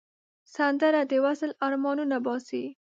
سندره د وصل آرمانونه باسي